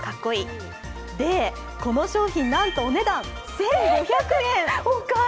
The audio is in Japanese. で、この商品なんとお値段１５００円！